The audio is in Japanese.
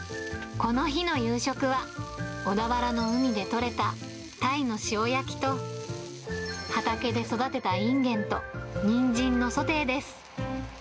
この日の夕食は、小田原の海で取れたタイの塩焼きと、畑で育てたインゲンとニンジンのソテーです。